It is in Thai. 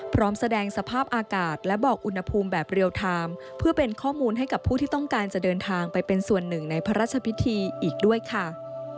พร้อมแสดงสภาพอากาศและบอกอุณหภูมิแบบเรียลไทม์เพื่อเป็นข้อมูลให้กับผู้ที่ต้องการจะเดินทางไปเป็นส่วนหนึ่งในพระราชพิธีอีกด้วยค่ะ